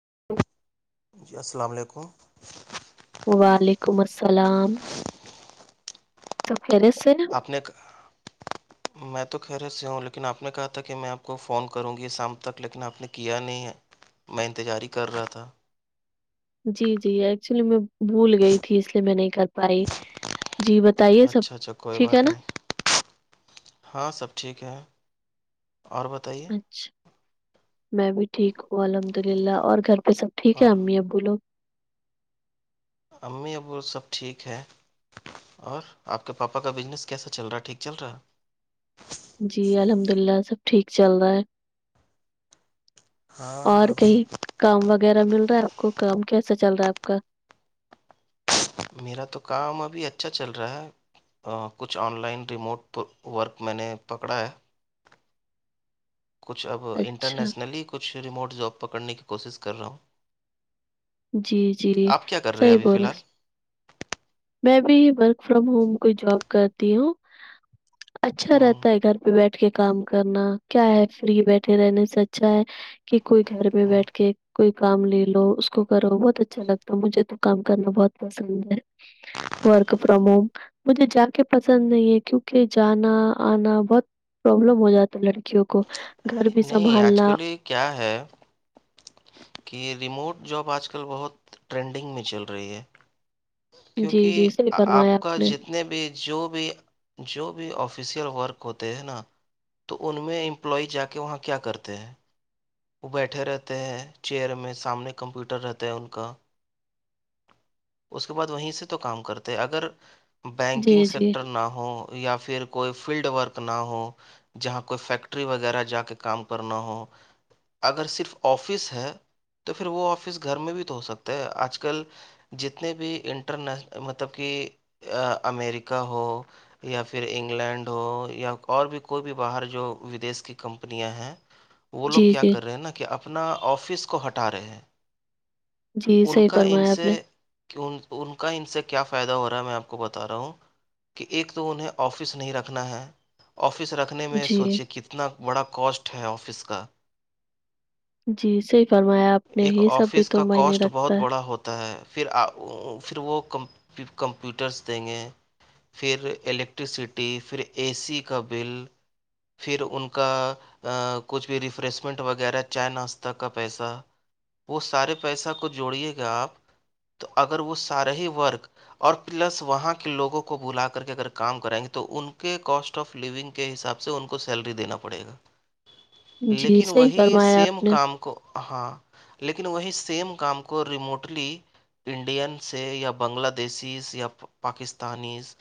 [unintelligible] جی السلام علیکم وعلیکم السلام تو پلے سے نا اپنے میں تو خیرت سے ہوں لیکن آپ نے کہا تھا کہ میں آپ کو فون کروں گی شام تک لیکن آپ نے کیا نہیں میں انتظار کر رہا تھا جی جی ایکچولی میں بھول گئی تھی اس لیے میں نہیں کر پائی جی بتائیے سب اچھا اچھا کوئی ٹھیک ہے بات نا نہیں ہاں سب ٹھیک ہے اور بتائیے میں بھی ٹھیک ہوں الحمد للہ اور گھر پہ سب ٹھیک ہے اور امی ابوولو امی ابو سب ٹھیک ہے اور آپ کے پاپا کا بزنس کیسا چل رہا ٹھیک چل رہا جی الحمد اللہ سب ٹھیک چل رہا ہے اور ہاں ابھی کہئی کام وغیرہ مل رہا ہے آپ کو کام کیسا چل رہا ہے آپ کا میرا تو کام ابھی اچھا چل رہا ہے کچھ آن لائن ریموٹ ورک میں نے پکڑا ہے کچھ اب اچھا انٹرنیسنلی کچھ ریموٹ جاب پکڑنے کی کوشش کر رہا ہوں جی جی آپ کیا کر رہے ہیں صحیح ابھی فی بول الحال میں بھی ورک فرام ہوم کو جاب کرتی ہوں اچھا ہوں رہتا ہے گھر پ بیٹھ کے کام کرنا کیا ہے فری بیٹھے رہنے سے اچھا ہے کہ کوئی گھر ہوں بیٹھ کے کوئی کام لے لو کو کرو بہت اچھا لگتا مجھے تو کام کرنا بہت پسند ہے ورک فرام ہوم مجھے جا کے پسند نہیں ہے کیونکہ جانا آنا بہت پرابلم ہو جاتا لڑکیوں کو گھر بھی نہیں آج سنبھالنا کل یہ کیا ہے کہ یہ ریموٹ جاب آج کل بہت ٹرینڈنگ میں چل رہی ہے کیک جی جی صحیح فرمایا آپ نے جتنے بھی جو بھی جو بھی آفیشیل ورک ہوتے ہیں نا تو ان میں امپلائی جا کے وہاں کیا کرتے ہیں وہ بیٹھے رہتے ہیں چیئر میں سامنے کمپیوٹر رہتا ہے ان کا اس کے بعد وہیں سے تو کام کرتے ہیں اگر جی بینکنگ جی سیکٹر نہ ہو یا پھر کوئی فیلڈ ورک نہ ہو جہاں کوئی فیکٹری وغیرہ جا کے کام کرنا ہو اگر صرف آفس ہے تو پھر وہ آفس گھر میں بھی تو ہو سکتا ہے آج کل جتنے بھی انٹرنیش مطلب کہ امیریکہ ہو یا پھر انگلینڈ ہو یا اور بھی کوئی بھی باہر جو ودیش کی کمپنیاں ہیں [unintelligible] جی جی ہے نا کہ اپنا آفس کو ہٹا رہے ہیں جی ان صحیح کا ان فرمایا آپ سے نے کہ ان کا ان سے کیا فائدہ ہو رہا ہے میں آپ کو بتا رہا ہوں کہ ایک تو انہیں آفس نہیں رکھنا ہے آفس رکھنے میں جی سوچے کتنا بڑا کاسٹ ہے آفس کا جی صحی فرمایا آپ نے ایک یہ سب بھی آفس کا تو میںنے کاسٹ بہت رکھتا ہے بڑا ہوتا ہے پھر پھر وہ کمپیوٹرس دیں گے پھر الیکٹرسٹی پھر اے سی کا بل پھر ان کا کچھ بھی ریفریش پسمنٹ وغیرہ چائے ناشہ کا پیسہ وہ سارے پیسہ کو جوڑیے گا آپ تو اگر وہ سارے ہی ورک اور پلس وہاں کے لوگوں کو بلا کر کے اگر کام کرائیں گے تو ان کے کوسٹ آف لونگ کے حساب سے ان کو سیلری دینا پڑے گا ہے جی لیکن صحیح وہی فرمایا سیم آپ نے کام کو ہاں لیکن وہی سیم کام کو ریموٹلی انڈین سے یا بنگلہ دیشز یا پاکستانیز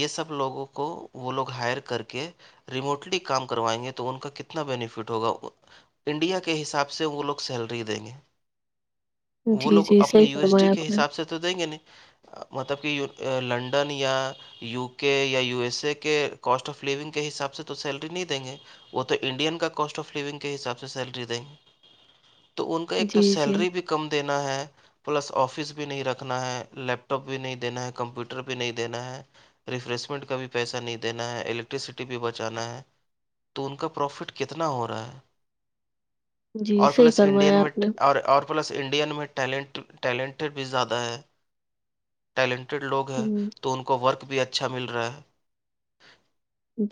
یہ سب لوگوں کو وہ لوگ ہائر کر کے ریموٹلی کام کروائیں گے تو ان کا کتنا بینیفٹ ہوگا انڈیا کے حساب سے وہ لوگ سیلری دیں گے وہ جی، لوگ جی، اپنے صحیح یو ایس ڈی فرمایا کے آپ نے۔ حساب سے تو دیں گے نا مطلب کہ لنڈن یا یو کے یا یو ایس اے کے کاسٹ آف لیونگ کے حساب سے تو سیلری نہیں دیں گے وہ تو انڈین کا کوسٹ آف لوونگ حساب سے سیلری دیں گے تو ان کا ایک تو جی، جی، سیلری بھی کم دینا ہے پلس آفس بھی نہیں رکھنا ہے لیپ ٹاپ بھی نہیں دینا ہے کمپیوٹر بھی نہیں دینا ہے ریفریشمنٹ کا بھی پیسہ نہیں دینا ہے الیکٹریسٹی بھی بچانا ہے تو ان کا پروفٹ کتنا ہو رہا ہے جی، اور صحیح پلس انڈین فرمایا میں آپ نے۔ اور پلس انڈین میں ٹیلنٹ ٹیلنٹ بھی زیادہ ہے ٹیلنٹیڈ لوگ ہیں ہوں، تو ان کو ورک بھی اچھا مل رہا ہے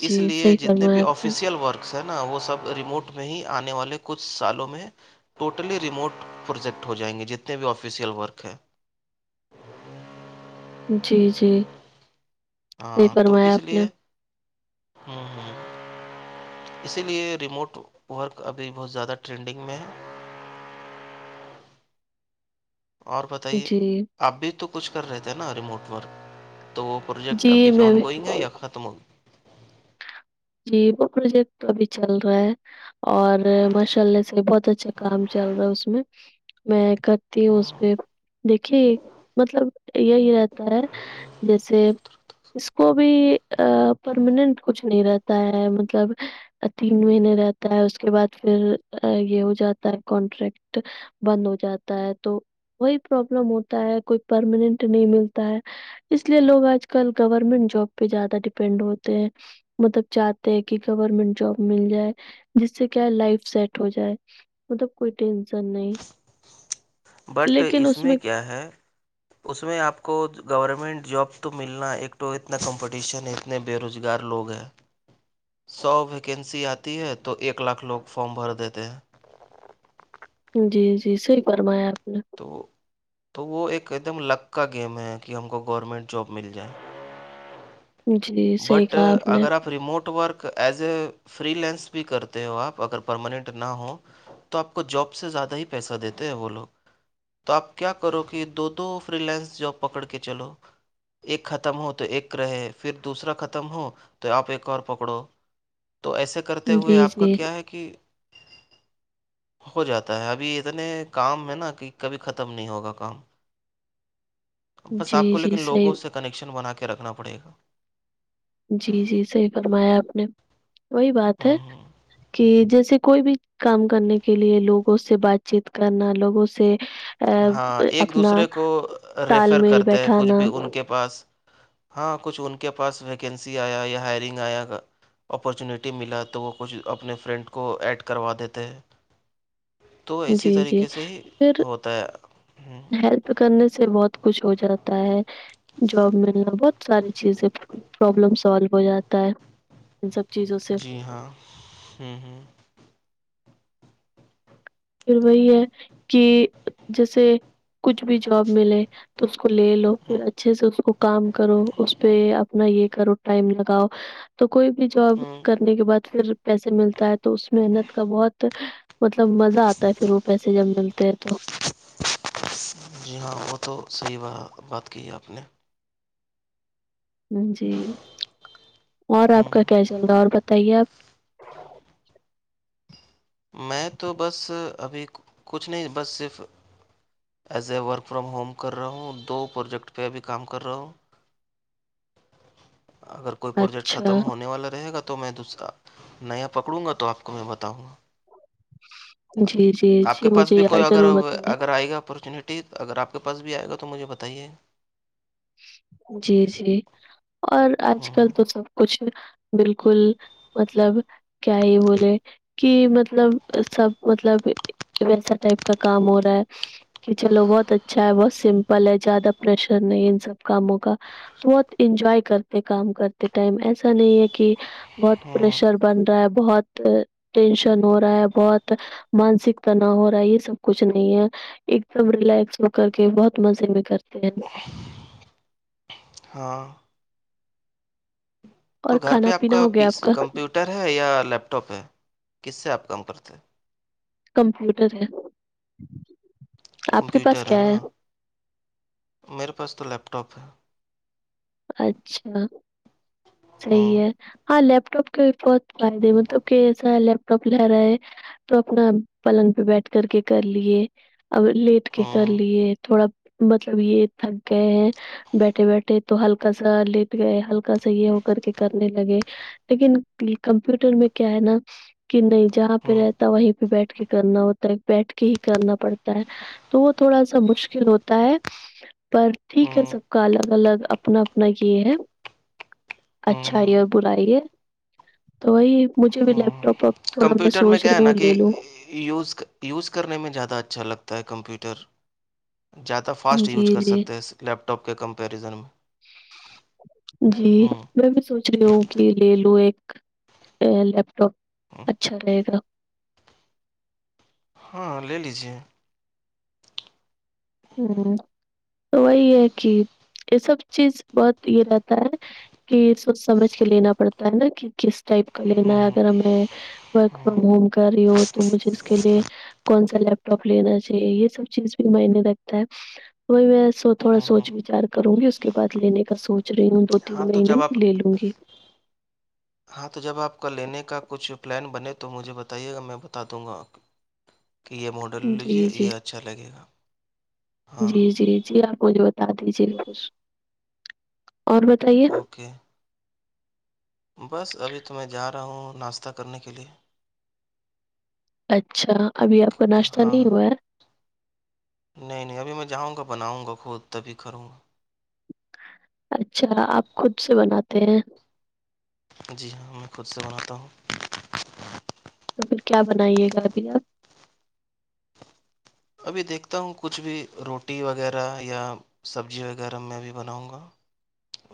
جی، اس لیے صحیح جتنے فرمایا بھی آپ نے۔ آفیسل ورکس ہیں نا وہ سب ریموٹ میں ہی آنے والے کچھ سالوں میں ٹوٹلی ریموٹ پروجیکٹ ہو جائیں گے جتنے بھی آفیسیل ورک ہیں جی جی یہی تو فرمایا اس آپ نے لیے ہ ہاں اسی لیے ریموٹ ورک ابھی بہت زیادہ ٹرینڈنگ میں ہے اور بتائیے جی، اپ بھی تو کچھ کر رہے تھے نا ریموٹ ورک تو پروجیکٹ جی، اھی میں آن بھی گوئگ ہے یا ختم ہو گ جی وہ پروجیکٹ تو ابھی چل رہا ہے اور ماشاء اللہ سے بہت اچھا کام گیا؟ چل رہا ہے اس میں میں کرتی ہے اس پہ دیکے مطلب یہی رہتا ہے جیسے اس کو بھی پرماننٹ کچھ نہیں رہتا تا ہے مطلب تین مہینے رہتا ہے اس کے بعد پھر یہ ہو جاتا ہے کانٹریکٹ بند ہو جاتا ہے تو وہی پرابلم ہوتا ہے کوئی پرماننٹ نہیں ملتا ہے اس لیے لوگ آج کل گورنمنٹ جاب پہ زیادہ ڈیپینڈ ہوتے ہیں مطلب چاہتے ہیں کہ گورمنٹ جاب مل جائے جس سے کیا لائف سیٹ ہو جائے مطلب کوئی ٹینسن نہیں بٹ اس میں کیا ہے اس میں آپ کو گورمنٹ جاب تو ملنا ایک تو اتنا کمپٹیشن ہے اتنے بے روزگار لوگ ہیں سو ویکینسی آتی ہے تو ایک لاکھ لوگ فارم بھر دیتے ہیں جی جی صحیح فرمایا آپ نے تو وہ تو وہ ایک ایک دم لک کا گیم ہے کہ ہم کو گورمنٹ جاب مل جائے جی، صحیح بٹ کہا نے، اگر آپ remote work as a freelance بھی کرتے ہو آپ اگر پرماننٹ نہ ہوں تو آپ کو جاب سے زیادہ ہی پیسہ دیتے ہیں وہ لوگ تو آپ کیا کرو کہ دو دو فرییلائنس جاب پکڑ کے چلو ایک ختم ہو تو ایک رہے پھر دوسرا ختم ہو تو آپ ایک اور پکڑو تو ایسے کرتے ہوئے جی، آپ کا جی۔ کیا ہے [unintelligible] ہو جاتا ہے ابھی اتنے کام ہے نا کہ کبھی ختم نہیں ہوگا کام بس جی، آپ کو جی، لیکن صحیح لوگوں سے کنیکشن بنا کے رکھنا پڑے گا جی جی صحیح فرمایا آپ نے وہی بات ہے ہوں ہوں کہ جیسے کوئی بھی کام کرنے کے لیے لوگوں سے بات چیت کرنا لوگوں سے آ، ہاں ایک اپنا دوسرے کو تال ریفر میل کرتا ہے کچھ بیٹھانا بھی ان کے پاس ہاں کچھ ان کے پاس ویکینسی آیا یا ہائرنگ آیا گا اپارچونیٹی ملا تو وہ کچھ اپنے فرینڈ کو ایڈ کروا دیتے ہیں تو اسی جی، جی، طریقے سے ہی پھر ہوتا ہے ہ ہیلپ کرنے سے بہت کچھ ہو جاتا ہے جاب ملنا بہت ساری چیزیں پرابلم سالو ہو جاتا ہے ان سب چیزوں سے جی ہاں ہوں ہوں پھر وہی ہے کہ جیسے کچھ بھی جاب ملے تو اس کو لے لو پھر ہوں اچھے سے اس کو کام کرو اس پہ اپنا یہ کرو ٹائم لگاؤ تو کوئی بھی جاب ہوں، کرنے کے بعد پھر پیسے ملتا ہے تو اس محنت کا بہت مطلب مزہ آتا ہے پھر وہ پیسے جب ملتے ہیں تو جی ہاں وہ تو صحیح ب بات کی ہے آپ نے جی اور آپ ہوں کا کیا چل رہا ہے اور بتائیے آپ میں تو بس ابھی کچھ نہیں بس صرف as a work from home کر رہا ہوں دو پروجیکٹ پہ بھی کام کر رہا ہوں اگر کوئی پروجیکٹ اچھا ختم ہونے والا رہے گا تو تو میں دوسرا نیا پکڑوں گا تو آپ کو میں بتاؤں گا جی جی آپ کے جی پاس مجھے بھی یاد کوئی اگر ضرور بتائیے اگر آئے گا اپارچونیٹی اگر آپ کے پاس بھی آئے گا تو مجھے بتائیے جی جی اور اج کل ہوں تو سب کچھ بالکل مطلب کیا یہ بولے کہ مطلب سب مطلب ایسا ٹائپ کا کام ہو رہا ہے کہ چلو بہت اچھا ہے بہت سمپل ہے زیادہ پریشر نہیں سب کاموں کا تو بہت انجوائے کرتے کام کرتے ٹائم ایسا نہیں ہے کہ بہت ہوں پریشر بن رہا ہے بہت ٹینشن ہو رہا ہے بہت مانسکتا نہ ہو رہا ہے یہ سب کچھ نہیں ہے ایک دم ریلیکس ہو کر کے بہت مزے میں کرتے ہیں نا ہاں تو اور گھر پہ کھانا آپ پینا کا ہو گیا پیس آپ کا کمپیوٹر ٹر ہے یا لیپ ٹاپ ہے کس سے آپ کام کرتے کمپیوٹر ہے آپ کے پاس کمپیوٹر ہے کیا نا میرے پاس تو لیپ ٹاپ ہے اچھا صحیح ہوں ہے ہاں لیپ ٹاپ کے بہت فائدے مطلب کہساء ال پ لہرا ہے تو اپنا پلنگ پہ بیٹھ کر کے کر لیے ا لے اٹ کے کر ہوں لیے تھوڑا مطلب یہ تھک گئے ہیں بیٹھے بیٹھے تو ہلکا سا لیٹ گئے ہلکا سا یہ ہو کر کے کرنے لگے لیکن کمپیوٹر میں کیا ہے نا کہ نہیں جہاں پہ ہوں رہتا وہیں پہ بیٹھ کے کرنا ہوتا ہے بیٹھ کے ہی کرنا پڑتا ہے تو وہ تھوڑا سا مشکل ہوتا ہے پر ٹھیک ہے ہوں سب کا الگ الگ اپنا اپنا یہ ہے اچھا ہوں یہ اور برائی ہے تو وہی مجھے بھی ل ہوں توپ اپ تھوڑا میں سوچ رہی ہوں لے لوں یز یوز کرنے میں زیادہ اچھا لگتا ہے کمپیوٹرد فاسٹ جی یوز کر جی سکتے اس لیپ ٹاپ کے کمپیریزن میں جی ہوں میں بھی سوچھ لوکلی لے لو ایک لیپ ہوں ٹاپ اچھا رہے گا ہاں لے لیجیے ہ تو وہی ہے کہ یہ سب چیز بہت یہ رہتا ہے کہ سوچھ سمجھ کے لینا پڑتا ہے نا کہ کس ٹپ کا لینا ہوں ہے ہوں اگر ہمیں ورک فرام ہوں ہوم کر رہی ہو تو مجھے اس کے لیے کون سا لیپٹاپ لینا چاہیے یہ سب چیز بھی میں وہی میں سو تھوڑا ہوں ہوں سوچھ وچار کروں گی اس کے بعد لینے کا سوچ رہی ہوں دو تین ہاں تو مہینے جب آپ میں لے لوں گی ہاں تو جب آپ کا لینے کا کچھ پلان بنے تو مجھے بتائیے گا میں بتا دوں گا کہ یہ ماڈل جی لیجئے جی یہ اچھا لگے گا ہاں جی جی جی آپ مجھے بتا دیجیے کچھ اور بتائیے اوکے بس ابھی تو میں جا رہا ہوں ناشتہ کرنے کے لیے اچھا ابھی آپ کو ناشتہ ہاں نہیں ہوا نہیں نہیں ابھی میں جاؤں گا بناؤں گا خود تبھی کروں گا اچھا آپ خود سے بناتے ہیں جی ہاں میں خود سے بناتا ہوں تو پھر کیا بنائیے گا ابھی آپ ابھی دیکھتا ہوں کچھ بھی روٹی وغیرہ یا سبزی وغیرہ میں بھی بناؤں گا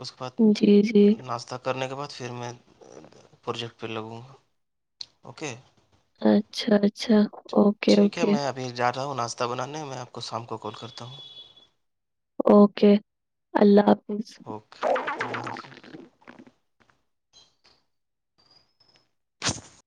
اس کے بعد جی جی ناشتہ کرنے کے بعد پھر میں پروجیکٹ پہ لگوں گا اوکے اچھا اچھا اوکے ٹھیک ہے اوکے میں ابھی جا رہا ہوں ناشتہ بانے میں آپ کو شام کو کال کرتا ہوں اوکے اللہ حافظ اوکے اس [inaudible]